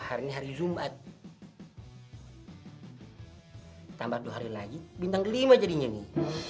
hari hari zumbat tambah dua hari lagi bintang kelima jadinya nih